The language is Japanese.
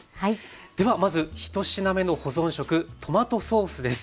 ではまず１品目の保存食トマトソースです。